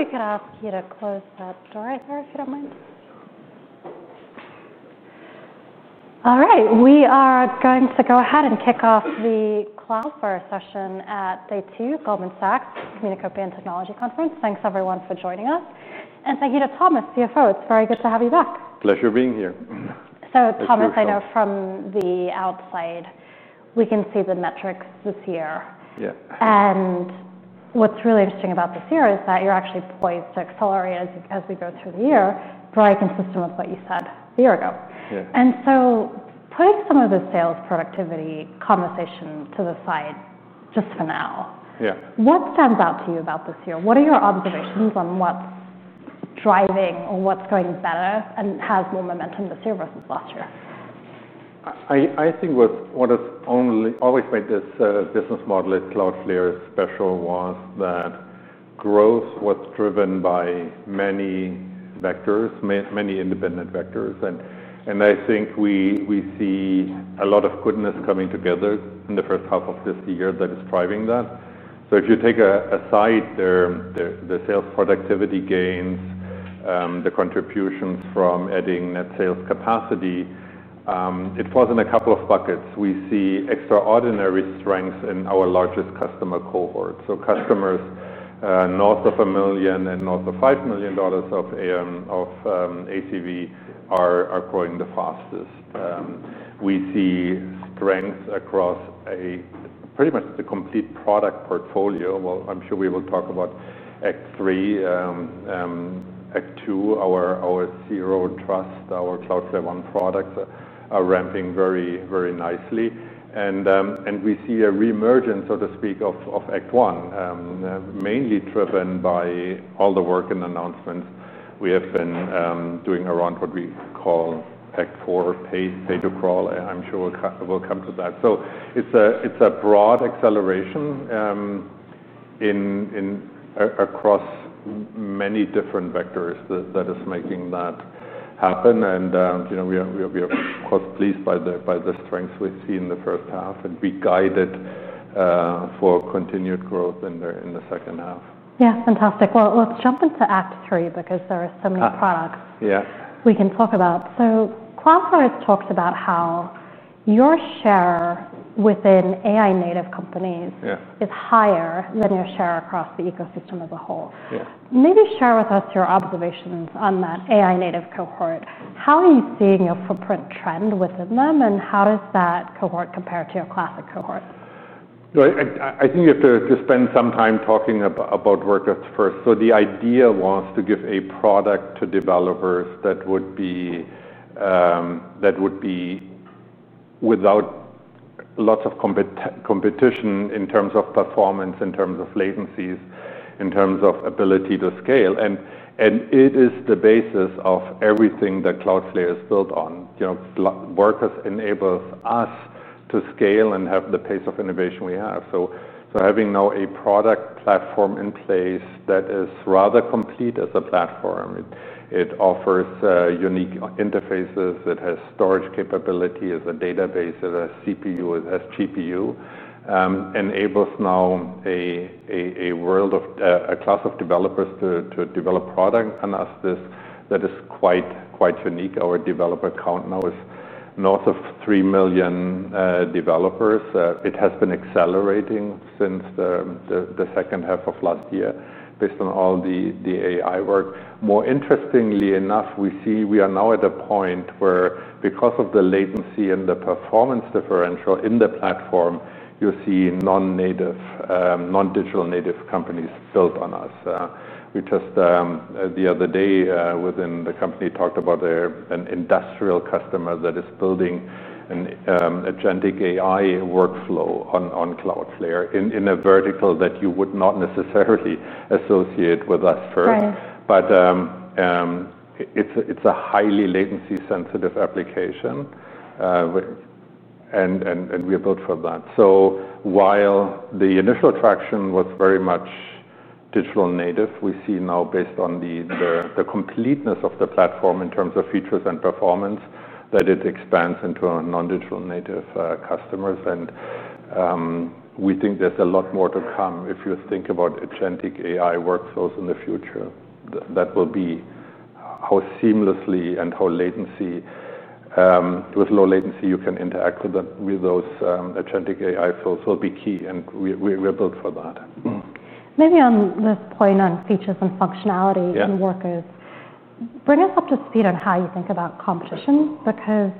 Maybe we could ask you to close that door there, if you don't mind. All right. We are going to go ahead and kick off the Cloudflare session at Day 2, Goldman Sachs MUNICO PM Technology Conference. Thanks, everyone, for joining us. Thank you to Thomas Seifert. It's very good to have you back. Pleasure being here. Thomas, I know from the outside, we can see the metrics this year. Yeah. What's really interesting about this year is that you're actually poised to accelerate as we go through the year, very consistent with what you said a year ago. Yeah. Putting some of the sales productivity conversation to the side just for now. Yeah. What stands out to you about this year? What are your observations on what's driving or what's going better and has more momentum this year versus last year? I think what has always made this business model at Cloudflare special was that growth was driven by many vectors, many independent vectors. I think we see a lot of goodness coming together in the first half of this year that is driving that. If you take aside the sales productivity gains, the contributions from adding net sales capacity, it falls in a couple of buckets. We see extraordinary strengths in our largest customer cohort. Customers north of $1 million and north of $5 million of annual contract value are growing the fastest. We see strengths across pretty much the complete product portfolio. I'm sure we will talk about Act 3, Act 2, our Zero Trust, our Cloudflare One products are ramping very, very nicely. We see a reemergence, so to speak, of Act 1, mainly driven by all the work and announcements we have been doing around what we call Act 4, pay-to-crawl. I'm sure we'll come to that. It's a broad acceleration across many different vectors that is making that happen. We are, of course, pleased by the strengths we've seen in the first half and be guided for continued growth in the second half. Yeah, fantastic. Let's jump into Act 3 because there are so many products we can talk about. Cloudflare talks about how your share within AI-native companies is higher than your share across the ecosystem as a whole. Maybe share with us your observations on that AI-native cohort. How are you seeing your footprint trend within them? How does that cohort compare to your classic cohort? Right. I think you have to spend some time talking about Workers first. The idea was to give a product to developers that would be without lots of competition in terms of performance, in terms of latencies, in terms of ability to scale. It is the basis of everything that Cloudflare is built on. Workers enable us to scale and have the pace of innovation we have. Having now a product platform in place that is rather complete as a platform, it offers unique interfaces. It has storage capability, has a database, has a CPU, has GPU, enables now a class of developers to develop product analysis that is quite unique. Our developer count now is north of 3 million developers. It has been accelerating since the second half of last year based on all the AI work. More interestingly enough, we see we are now at a point where, because of the latency and the performance differential in the platform, you see non-native, non-digital native companies built on us. The other day, within the company, we talked about an industrial customer that is building an agentic AI workflow on Cloudflare in a vertical that you would not necessarily associate with us first. It's a highly latency-sensitive application, and we are built for that. While the initial traction was very much digital native, we see now, based on the completeness of the platform in terms of features and performance, that it expands into non-digital native customers. We think there's a lot more to come if you think about agentic AI workflows in the future. That will be how seamlessly and how with low latency you can interact with those agentic AI flows will be key, and we're built for that. Maybe on the point on features and functionality and Cloudflare Workers, bring us up to speed on how you think about competition, because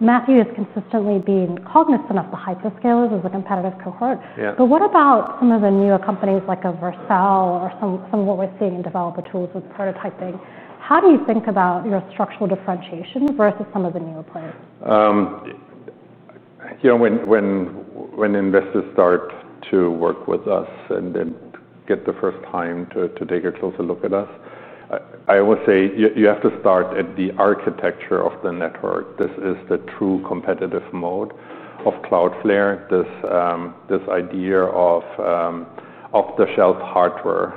Matthew is consistently being cognizant of the hyperscalers as a competitive cohort. Yeah. What about some of the newer companies like Vercel or some of what we're seeing in developer tools with prototyping? How do you think about your structural differentiation versus some of the newer players? When investors start to work with us and get the first time to take a closer look at us, I always say you have to start at the architecture of the network. This is the true competitive moat of Cloudflare, this idea of off-the-shelf hardware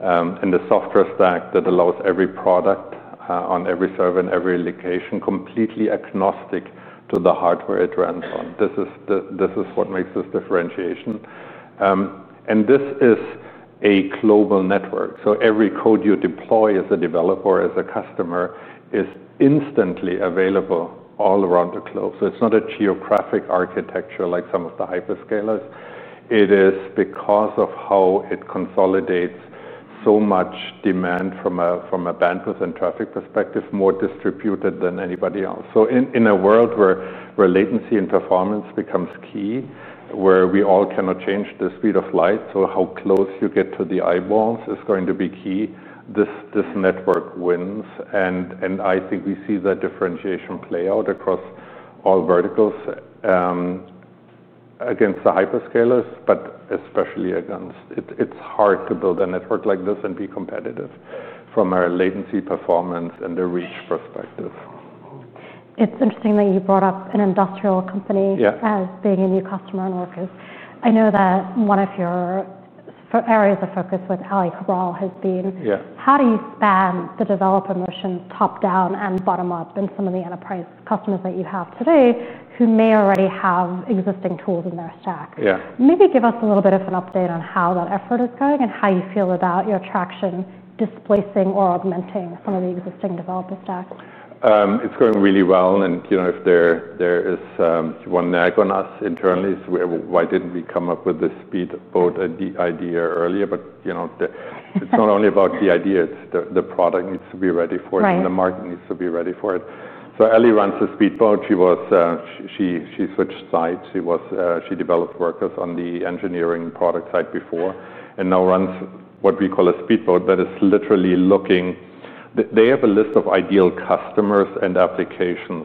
and the software stack that allows every product on every server and every location completely agnostic to the hardware it runs on. This is what makes this differentiation. This is a global network. Every code you deploy as a developer, as a customer, is instantly available all around the globe. It's not a geographic architecture like some of the hyperscalers. It is because of how it consolidates so much demand from a bandwidth and traffic perspective, more distributed than anybody else. In a world where latency and performance becomes key, where we all cannot change the speed of light, how close you get to the eyeballs is going to be key, this network wins. I think we see that differentiation play out across all verticals against the hyperscalers, but especially against it's hard to build a network like this and be competitive from a latency, performance, and the reach perspective. It's interesting that you brought up an industrial company as being a new customer and Cloudflare Workers. I know that one of your areas of focus with Ali Cabral has been, how do you span the developer motion top-down and bottom-up in some of the enterprise customers that you have today who may already have existing tools in their stack? Yeah. Maybe give us a little bit of an update on how that effort is going and how you feel about your traction displacing or augmenting some of the existing developer stack. It's going really well. If there is one nag on us internally, it's why didn't we come up with the speedboat idea earlier? It's not only about the idea. The product needs to be ready for it, and the market needs to be ready for it. Ali runs the speedboat. She switched sides. She developed Cloudflare Workers on the engineering product side before, and now runs what we call a speedboat that is literally looking. They have a list of ideal customers and applications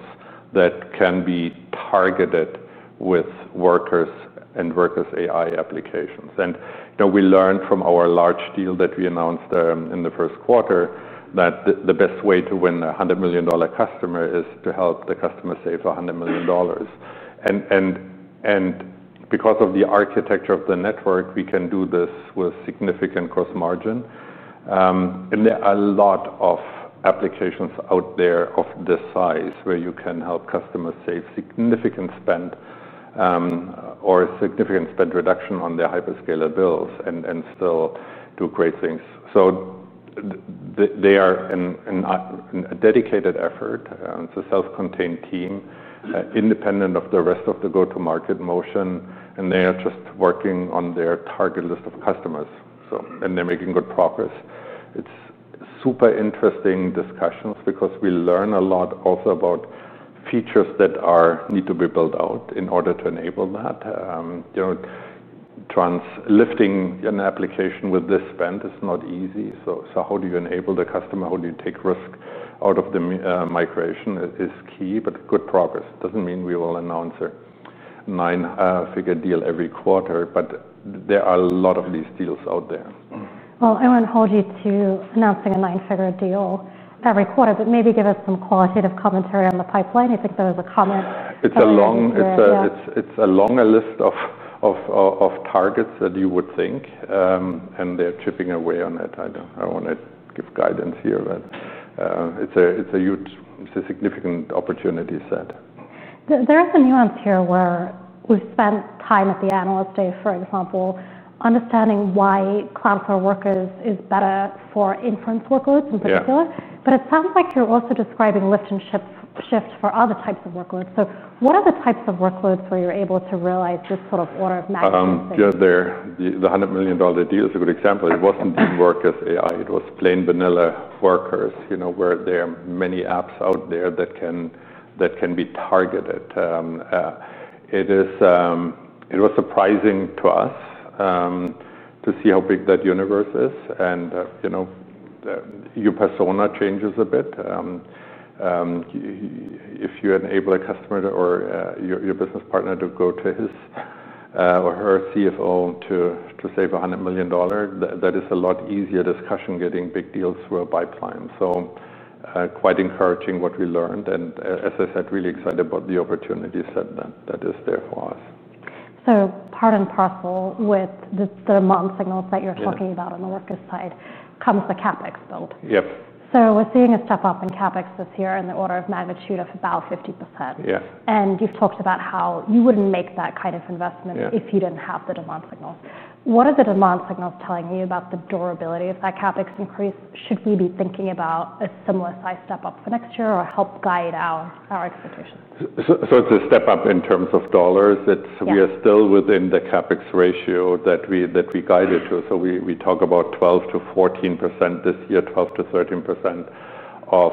that can be targeted with Workers and Workers' AI applications. We learned from our large deal that we announced in the first quarter that the best way to win a $100 million customer is to help the customer save $100 million. Because of the architecture of the network, we can do this with significant gross margin. There are a lot of applications out there of this size where you can help customers save significant spend or significant spend reduction on their hyperscaler bills and still do great things. They are in a dedicated effort. It's a self-contained team independent of the rest of the go-to-market motion. They are just working on their target list of customers and they're making good progress. It's super interesting discussions because we learn a lot also about features that need to be built out in order to enable that. Lifting an application with this spend is not easy. How do you enable the customer? How do you take risk out of the migration is key, but good progress. It doesn't mean we will announce a nine-figure deal every quarter, but there are a lot of these deals out there. I won't hold you to announcing a nine-figure deal every quarter, but maybe give us some qualitative commentary on the pipeline. I think there was a comment. It's a long list of targets that you would think, and they're chipping away on it. I don't want to give guidance here, but it's a significant opportunity set. There is a nuance here where we spent time at the analyst day, for example, understanding why Cloudflare Workers is better for inference workloads in particular. Yeah. It sounds like you're also describing lift and shift for other types of workloads. What are the types of workloads where you're able to realize just sort of order of magnitude? Yeah, the $100 million deal is a good example. It wasn't in Cloudflare Workers AI. It was plain vanilla Cloudflare Workers where there are many apps out there that can be targeted. It was surprising to us to see how big that universe is, and your persona changes a bit. If you enable a customer or your business partner to go to his or her CFO to save $100 million, that is a lot easier discussion getting big deals through a pipeline. Quite encouraging what we learned. As I said, really excited about the opportunity set that is there for us. Part and parcel with the demand signals that you're talking about on the Cloudflare Workers side comes the CapEx build. Yeah. We're seeing a step up in CapEx this year in the order of magnitude of about 50%. Yeah. You've talked about how you wouldn't make that kind of investment if you didn't have the demand signal. What are the demand signals telling you about the durability of that CapEx increase? Should we be thinking about a similar size step up for next year, or help guide our expectations? It's a step up in terms of dollars. We are still within the CapEx ratio that we guided to. We talk about 12% to 14% this year, 12% to 13% of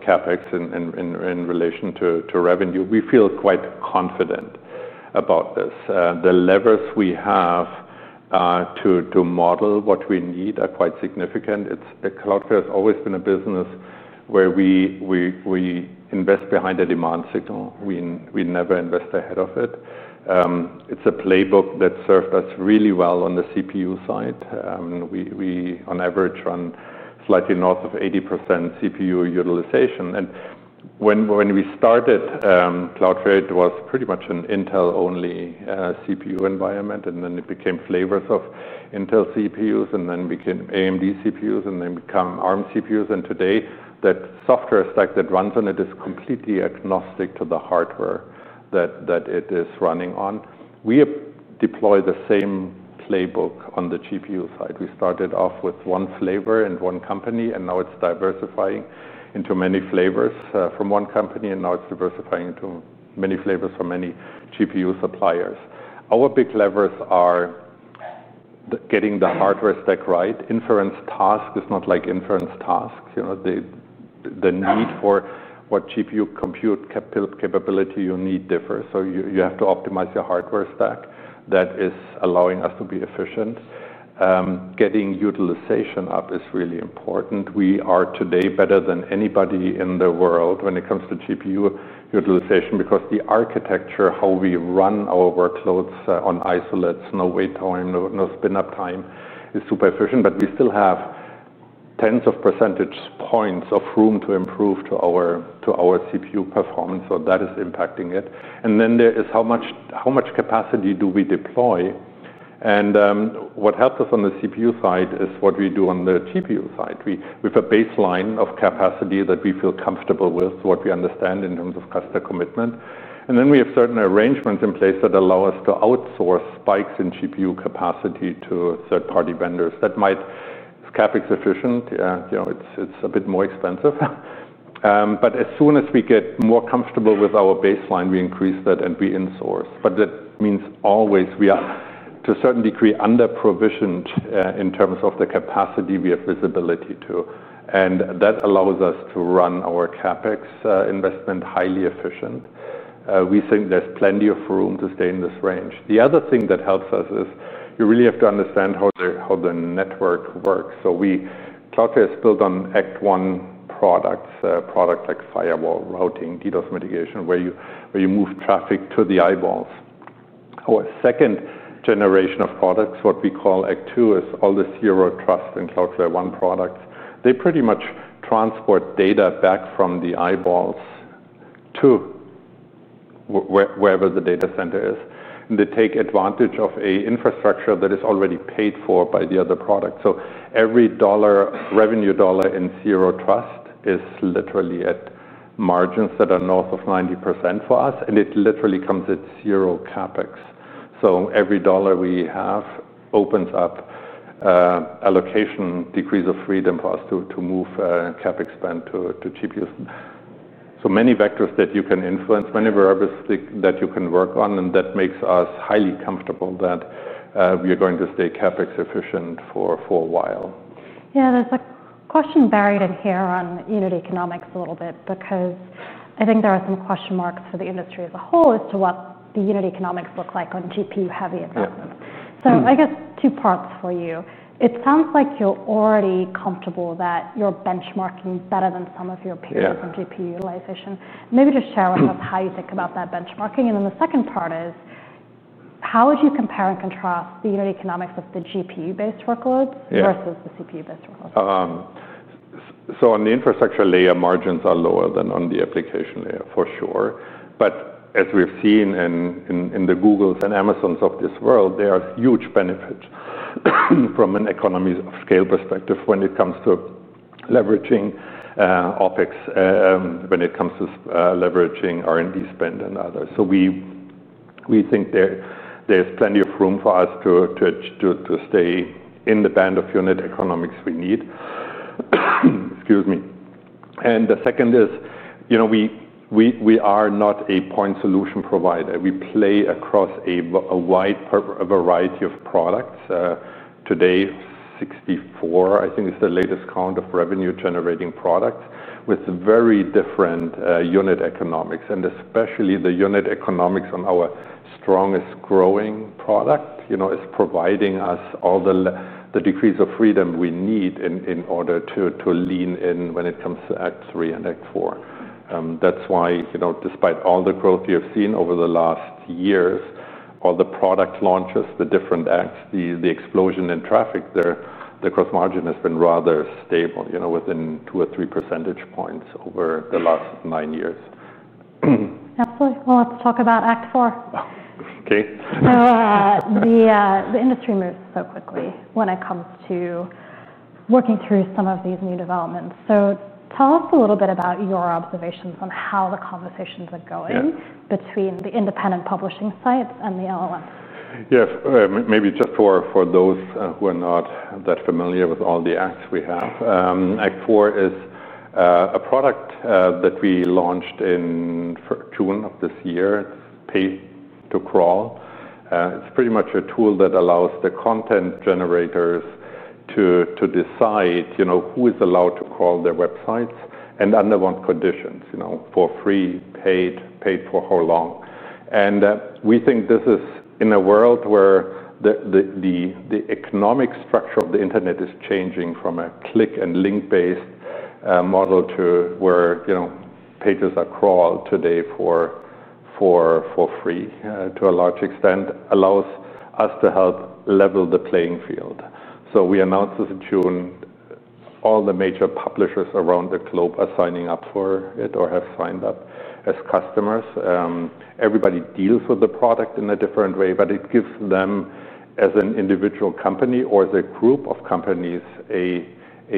CapEx in relation to revenue. We feel quite confident about this. The levers we have to model what we need are quite significant. Cloudflare has always been a business where we invest behind a demand signal. We never invest ahead of it. It's a playbook that served us really well on the CPU side. We, on average, run slightly north of 80% CPU utilization. When we started Cloudflare, it was pretty much an Intel-only CPU environment. Then it became flavors of Intel CPUs, and then became AMD CPUs, and then become ARM CPUs. Today, that software stack that runs on it is completely agnostic to the hardware that it is running on. We deploy the same playbook on the GPU side. We started off with one flavor and one company, and now it's diversifying into many flavors from one company, and now it's diversifying into many flavors from many GPU suppliers. Our big levers are getting the hardware stack right. Inference task is not like inference tasks. The need for what GPU compute capability you need differs. You have to optimize your hardware stack. That is allowing us to be efficient. Getting utilization up is really important. We are today better than anybody in the world when it comes to GPU utilization because the architecture, how we run our workloads on isolates, no wait time, no spin-up time is super efficient. We still have tens of percentage points of room to improve to our CPU performance. That is impacting it. There is how much capacity do we deploy? What helps us on the CPU side is what we do on the GPU side. We have a baseline of capacity that we feel comfortable with, what we understand in terms of customer commitment. We have certain arrangements in place that allow us to outsource spikes in GPU capacity to third-party vendors. That might be CapEx efficient. It's a bit more expensive. As soon as we get more comfortable with our baseline, we increase that and we insource. That means always we are, to a certain degree, under-provisioned in terms of the capacity we have visibility to. That allows us to run our CapEx investment highly efficiently. We think there's plenty of room to stay in this range. The other thing that helps us is you really have to understand how the network works. Cloudflare is built on Act 1 products, products like firewall routing, DDoS mitigation, where you move traffic to the eyeballs. Our second generation of products, what we call Act 2, is all the Zero Trust and Cloudflare One products. They pretty much transport data back from the eyeballs to wherever the data center is. They take advantage of an infrastructure that is already paid for by the other product. Every revenue dollar in Zero Trust is literally at margins that are north of 90% for us. It literally comes at zero CapEx. Every dollar we have opens up allocation, decrease of freedom for us to move CapEx spend to GPUs. There are so many vectors that you can influence, many variables that you can work on. That makes us highly comfortable that we are going to stay CapEx efficient for a while. Yeah, there's a question buried in here on unit economics a little bit because I think there are some question marks for the industry as a whole as to what the unit economics look like on GPU-heavy advancement. I guess two parts for you. It sounds like you're already comfortable that you're benchmarking better than some of your peers on GPU utilization. Maybe just share with us how you think about that benchmarking. The second part is, how would you compare and contrast the unit economics of the GPU-based workloads versus the CPU-based workloads? On the infrastructure layer, margins are lower than on the application layer, for sure. As we've seen in the Googles and Amazons of this world, there are huge benefits from an economies of scale perspective when it comes to leveraging OpEx, when it comes to leveraging R&D spend and others. We think there's plenty of room for us to stay in the band of unit economics we need. Excuse me. The second is, you know, we are not a point solution provider. We play across a wide variety of products. Today, 64, I think, is the latest count of revenue-generating products with very different unit economics. Especially the unit economics on our strongest growing product is providing us all the decrease of freedom we need in order to lean in when it comes to Act 3 and Act 4. That's why, despite all the growth we have seen over the last years, all the product launches, the different acts, the explosion in traffic there, the gross margin has been rather stable within 2% or 3% points over the last nine years. Absolutely. Let's talk about Act 4. OK. The industry moves so quickly when it comes to working through some of these new developments. Tell us a little bit about your observations on how the conversations are going between the independent publishing site and the large language models (LLMs). Yeah, maybe just for those who are not that familiar with all the acts we have, Act 4 is a product that we launched in June of this year. It's pay-to-crawl. It's pretty much a tool that allows the content generators to decide who is allowed to crawl their websites and under what conditions, for free, paid, paid for how long. We think this is in a world where the economic structure of the internet is changing from a click and link-based model to where pages are crawled today for free to a large extent, allows us to help level the playing field. We announced this in June. All the major publishers around the globe are signing up for it or have signed up as customers. Everybody deals with the product in a different way, but it gives them, as an individual company or as a group of companies, a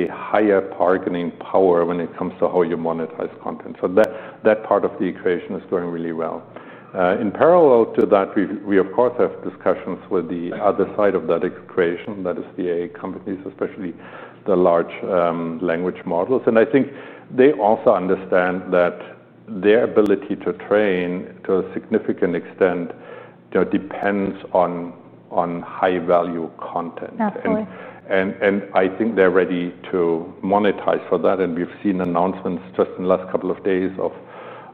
higher bargaining power when it comes to how you monetize content. That part of the equation is going really well. In parallel to that, we, of course, have discussions with the other side of that equation that is the AI companies, especially the large language models. I think they also understand that their ability to train, to a significant extent, depends on high-value content. Absolutely. I think they're ready to monetize for that. We've seen announcements just in the last couple of days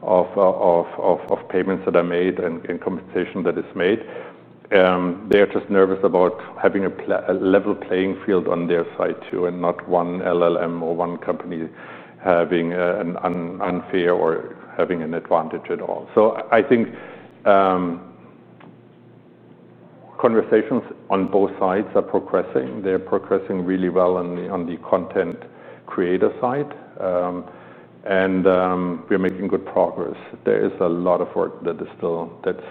of payments that are made and compensation that is made. They are just nervous about having a level playing field on their side, too, and not one LLM or one company having an unfair or having an advantage at all. I think conversations on both sides are progressing. They're progressing really well on the content creator side, and we're making good progress. There is a lot of work that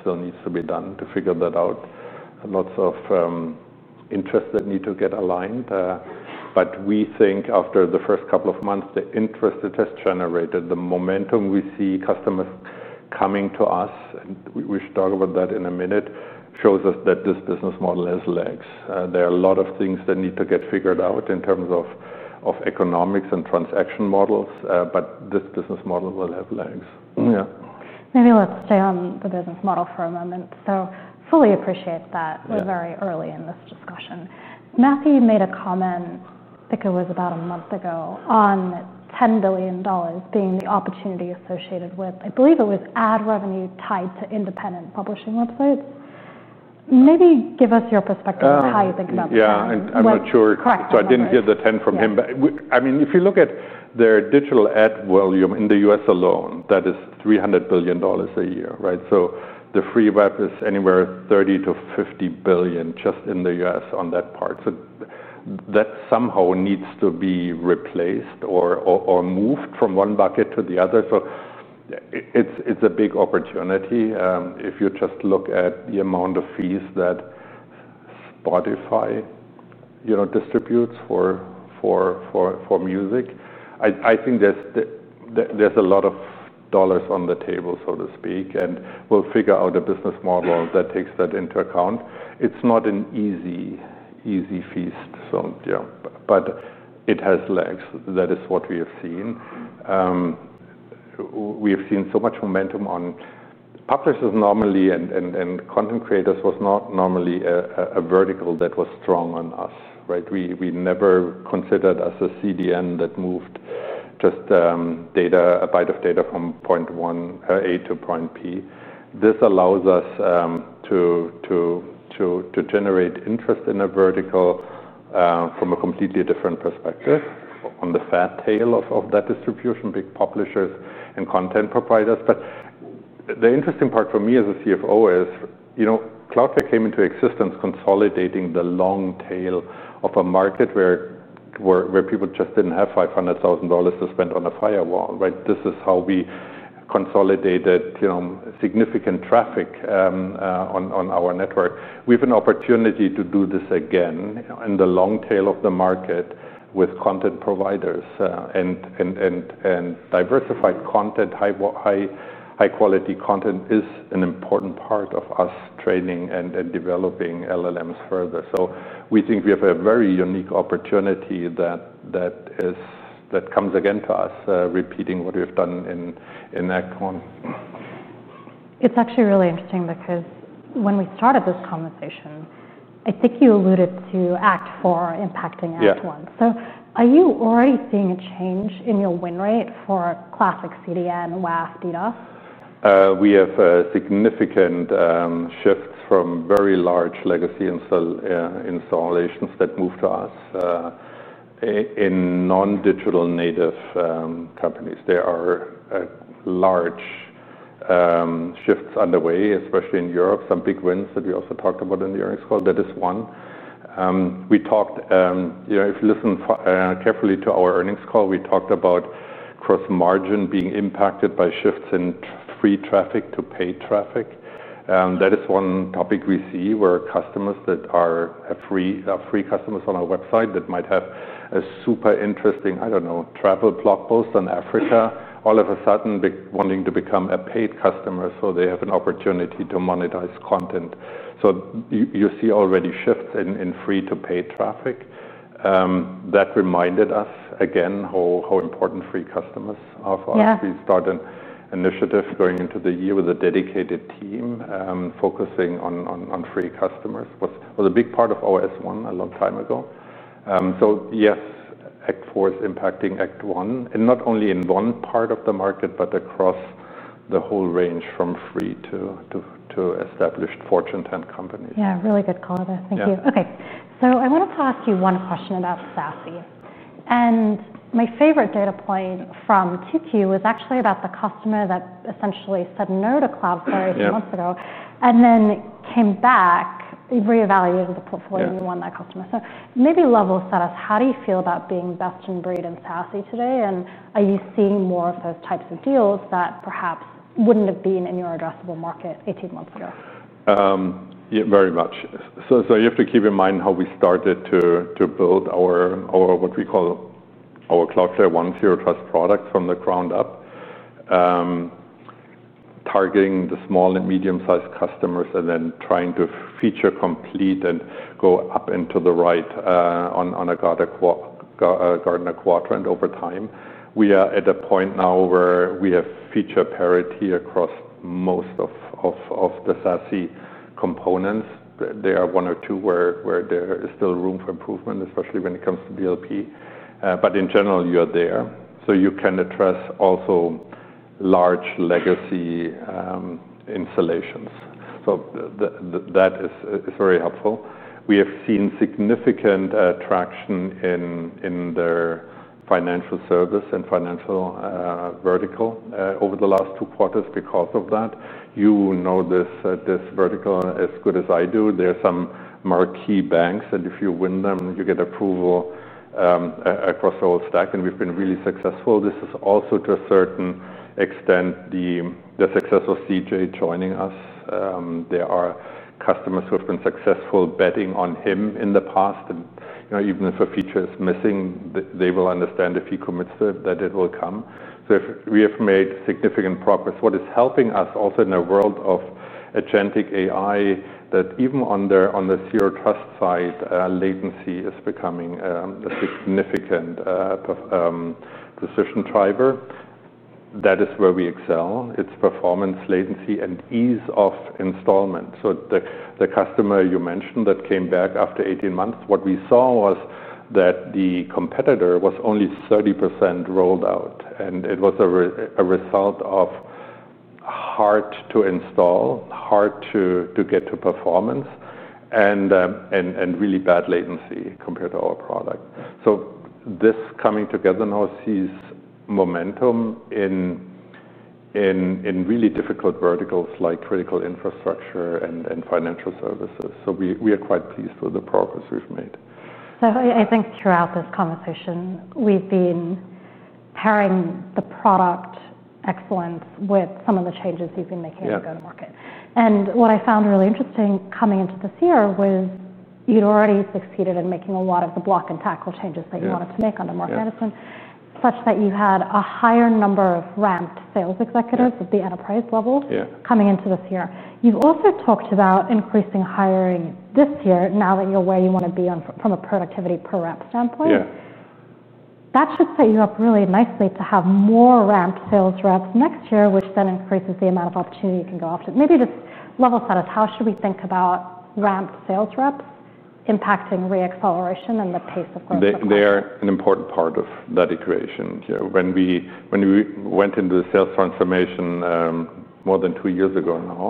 still needs to be done to figure that out. Lots of interests that need to get aligned. We think after the first couple of months, the interest it has generated, the momentum we see customers coming to us, and we should talk about that in a minute, shows us that this business model has legs. There are a lot of things that need to get figured out in terms of economics and transaction models, but this business model will have legs. Yeah. Maybe let's stay on the business model for a moment. I fully appreciate that we're very early in this discussion. Matthew made a comment, I think it was about a month ago, on $10 billion being the opportunity associated with, I believe it was, ad revenue tied to independent publishing websites. Maybe give us your perspective on how you think about that. I'm not sure. I didn't hear the 10 from him. If you look at their digital ad volume in the U.S. alone, that is $300 billion a year, right? The free web is anywhere 30% to 50% billion just in the U.S. on that part. That somehow needs to be replaced or moved from one bucket to the other. It's a big opportunity. If you just look at the amount of fees that Spotify distributes for music, I think there's a lot of dollars on the table, so to speak. We'll figure out a business model that takes that into account. It's not an easy, easy feast. It has legs. That is what we have seen. We have seen so much momentum on publishers normally and content creators. It was not normally a vertical that was strong on us, right? We never considered us a CDN that moved just a byte of data from point A to point B. This allows us to generate interest in a vertical from a completely different perspective. On the fat tail of that distribution, big publishers and content providers. The interesting part for me as a Chief Financial Officer is, you know, Cloudflare came into existence consolidating the long tail of a market where people just didn't have $500,000 to spend on a firewall, right? This is how we consolidated significant traffic on our network. We have an opportunity to do this again in the long tail of the market with content providers. Diversified content, high-quality content, is an important part of us training and developing large language models further. We think we have a very unique opportunity that comes again to us, repeating what we have done in Act 1. It's actually really interesting because when we started this conversation, I think you alluded to Act 4 impacting Act 1. Are you already seeing a change in your win rate for classic CDN WAF data? We have significant shifts from very large legacy installations that move to us. In non-digital native companies, there are large shifts underway, especially in Europe. Some big wins that we also talked about in the earnings call, that is one. If you listen carefully to our earnings call, we talked about gross margin being impacted by shifts in free traffic to paid traffic. That is one topic we see where customers that are free customers on our website that might have a super interesting, I don't know, travel blog post on Africa, all of a sudden wanting to become a paid customer so they have an opportunity to monetize content. You see already shifts in free to paid traffic. That reminded us again how important free customers are for us. We started an initiative going into the year with a dedicated team focusing on free customers. It was a big part of OS1 a long time ago. Yes, Act 4 is impacting Act 1, and not only in one part of the market, but across the whole range from free to established Fortune 10 companies. Yeah, really good call there. Thank you. OK. I want to toss you one question about SASE. My favorite data point from Q2 was actually about the customer that essentially said no to Cloudflare 18 months ago and then came back, reevaluated the portfolio, and won that customer. Maybe level set us, how do you feel about being best-in-breed in SASE today? Are you seeing more of those types of deals that perhaps wouldn't have been in your addressable market 18 months ago? Yeah, very much. You have to keep in mind how we started to build our, what we call our Cloudflare One Zero Trust product from the ground up, targeting the small and medium-sized customers and then trying to feature complete and go up and to the right on a Gartner quadrant over time. We are at a point now where we have feature parity across most of the SASE components. There are one or two where there is still room for improvement, especially when it comes to DLP. In general, you are there. You can address also large legacy installations. That is very helpful. We have seen significant traction in the financial service and financial vertical over the last two quarters because of that. You know this vertical as good as I do. There are some marquee banks. If you win them, you get approval across the whole stack. We've been really successful. This is also to a certain extent the success of CJ Desai joining us. There are customers who have been successful betting on him in the past. Even if a feature is missing, they will understand if he commits to it, that it will come. We have made significant progress. What is helping us also in a world of agentic AI, even on the Zero Trust side, latency is becoming a significant decision driver. That is where we excel. It's performance, latency, and ease of installment. The customer you mentioned that came back after 18 months, what we saw was that the competitor was only 30% rolled out. It was a result of hard to install, hard to get to performance, and really bad latency compared to our product. This coming together now sees momentum in really difficult verticals like critical infrastructure and financial services. We are quite pleased with the progress we've made. I think throughout this conversation, we've been pairing the product excellence with some of the changes you've been making to go to market. What I found really interesting coming into this year was you'd already succeeded in making a lot of the block and tackle changes that you wanted to make under Mark Anderson, such that you had a higher number of ramped sales executives at the enterprise level. Yeah. Coming into this year, you've also talked about increasing hiring this year now that you're where you want to be from a productivity per rep standpoint. Yeah. That should set you up really nicely to have more ramped sales reps next year, which then increases the amount of opportunity you can go after. Maybe just level set us, how should we think about ramped sales rep impacting reacceleration and the pace of growth? They are an important part of that equation. When we went into the sales transformation more than two years ago now,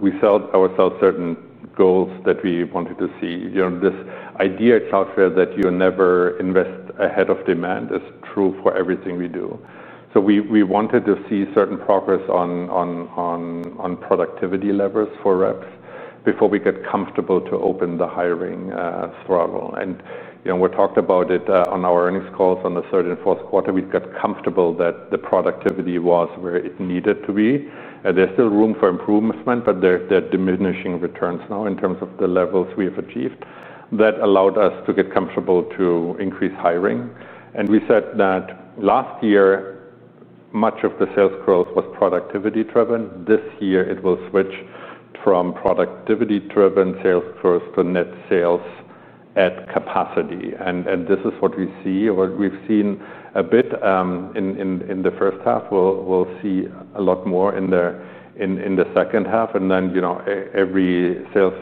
we ourselves set certain goals that we wanted to see. This idea at Cloudflare that you never invest ahead of demand is true for everything we do. We wanted to see certain progress on productivity levers for reps before we get comfortable to open the hiring throttle. We talked about it on our earnings calls in the third and fourth quarter. We got comfortable that the productivity was where it needed to be. There's still room for improvement, but there are diminishing returns now in terms of the levels we have achieved. That allowed us to get comfortable to increase hiring. We said that last year, much of the sales growth was productivity-driven. This year, it will switch from productivity-driven sales growth to net sales at capacity. This is what we see. What we've seen a bit in the first half, we'll see a lot more in the second half. Every sales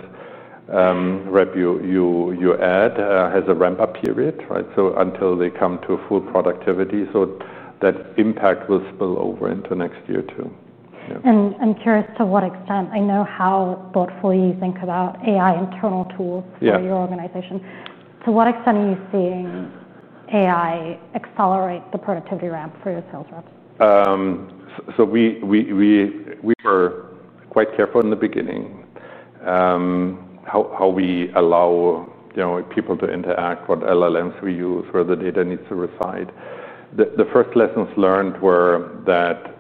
rep you add has a ramp-up period, right? Until they come to full productivity, that impact will spill over into next year, too. I'm curious to what extent, I know how thoughtfully you think about AI internal tools for your organization. To what extent are you seeing AI accelerate the productivity ramp for your sales reps? We were quite careful in the beginning how we allow people to interact, what large language models we use, where the data needs to reside. The first lessons learned were that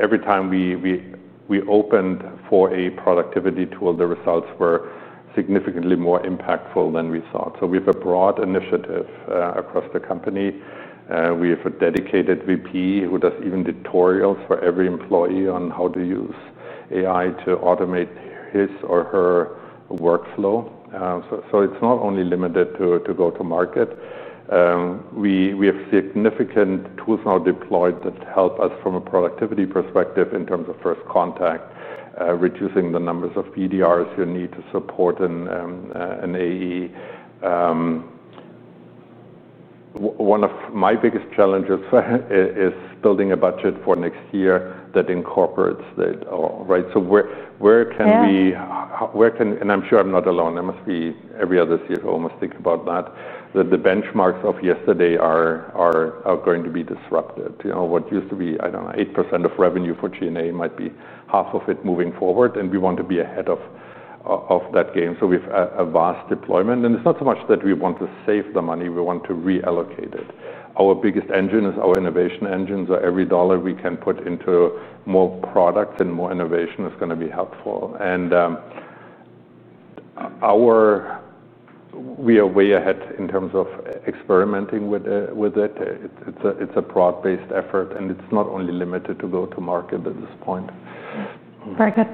every time we opened for a productivity tool, the results were significantly more impactful than we thought. We have a broad initiative across the company. We have a dedicated VP who does even tutorials for every employee on how to use AI to automate his or her workflow. It's not only limited to go-to-market. We have significant tools now deployed that help us from a productivity perspective in terms of first contact, reducing the numbers of PDRs you need to support an AE. One of my biggest challenges is building a budget for next year that incorporates it all, right? Where can we, and I'm sure I'm not alone, I must be every other CFO must think about that, that the benchmarks of yesterday are going to be disrupted. What used to be, I don't know, 8% of revenue for G&A might be half of it moving forward. We want to be ahead of that game. We have a vast deployment. It's not so much that we want to save the money. We want to reallocate it. Our biggest engine is our innovation engine. Every dollar we can put into more products and more innovation is going to be helpful. We are way ahead in terms of experimenting with it. It's a broad-based effort. It's not only limited to go-to-market at this point. Very good.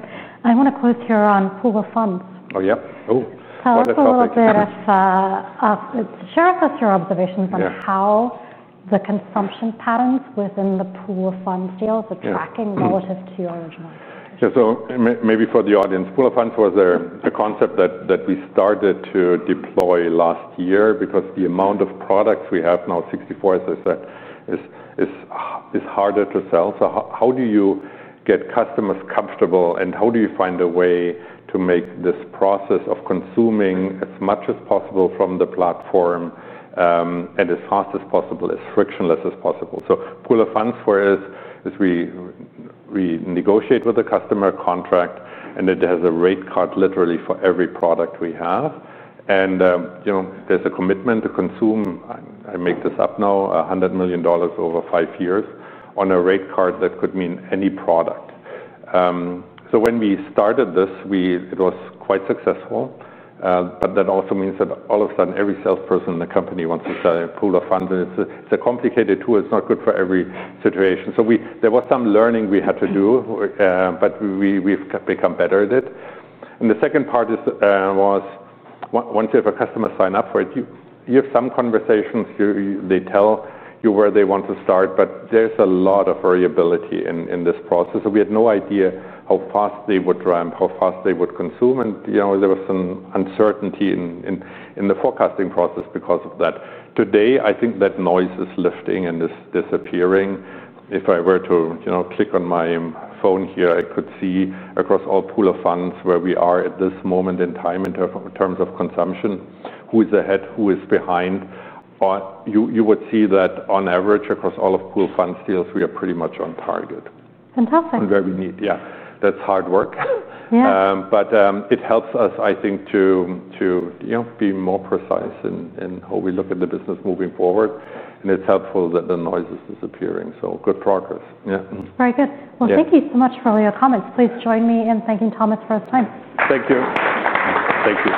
I want to close here on pool of funds. Oh, yeah. What's the question? Tell us a little bit, share with us your observations on how the consumption patterns within the pool of funds contracts are tracking relative to your original. Yeah, so maybe for the audience, pool of funds was a concept that we started to deploy last year because the amount of products we have now, 64, as I said, is harder to sell. How do you get customers comfortable? How do you find a way to make this process of consuming as much as possible from the platform and as fast as possible, as frictionless as possible? Pool of funds for us is we negotiate with the customer contract, and it has a rate card literally for every product we have. There's a commitment to consume, I make this up now, $100 million over five years on a rate card that could mean any product. When we started this, it was quite successful. That also means that all of a sudden, every salesperson in the company wants to sell a pool of funds. It's a complicated tool. It's not good for every situation. There was some learning we had to do, but we've become better at it. The second part was once you have a customer sign up for it, you have some conversations. They tell you where they want to start. There's a lot of variability in this process. We had no idea how fast they would ramp, how fast they would consume. There was some uncertainty in the forecasting process because of that. Today, I think that noise is lifting and is disappearing. If I were to click on my phone here, I could see across all pool of funds where we are at this moment in time in terms of consumption, who is ahead, who is behind. You would see that on average across all of pool of funds deals, we are pretty much on target. Fantastic. Where we need, yeah, that's hard work. Yeah. It helps us, I think, to be more precise in how we look at the business moving forward. It's helpful that the noise is disappearing. Good progress. Yeah. Very good. Yeah. Thank you so much for all your comments. Please join me in thanking Thomas for his time. Thank you. Thank you.